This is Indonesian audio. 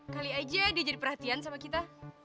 kali aja dia jadi perhatian sama kita